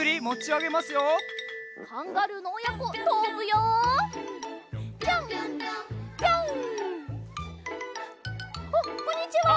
あっこんにちは！